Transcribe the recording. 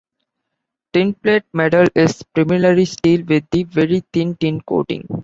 Tinplate metal is primarily steel with a very thin tin coating.